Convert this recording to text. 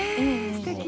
すてき！